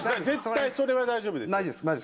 絶対それは大丈夫です。